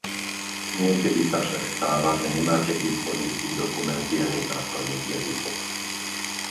Niekedy sa však stáva, že nemáte k dispozícii dokumenty ani v základných jazykoch.